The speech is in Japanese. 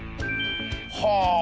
はあ！